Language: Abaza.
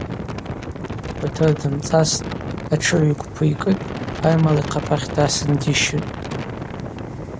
Батыр дымцӏастӏ, атшыгӏв йгвпы йкӏытӏ, армала йхъапахь дасын дищытӏ.